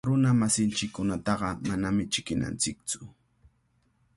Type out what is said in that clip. Runamasinchikkunataqa manami chiqninanchiktsu.